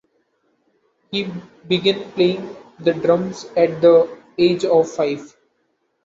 He began playing the drums at the age of five.